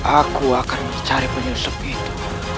aku akan mencari penyusup itu